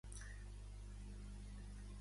Notable flautista i compositor.